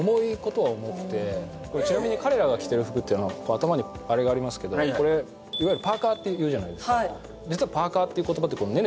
ちなみに彼らが着ている服は頭にあれがありますけどこれパーカって言うじゃないですか